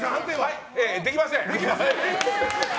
できません！